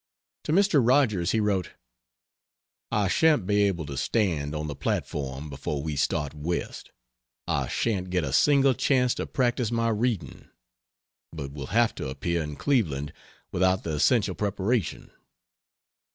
To Mr. Rogers he wrote: "I sha'n't be able to stand on the platform before we start west. I sha'n't get a single chance to practice my reading; but will have to appear in Cleveland without the essential preparation.